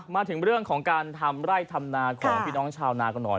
มาถึงเรื่องของการทำไร่ทำนาของพี่น้องชาวนากันหน่อย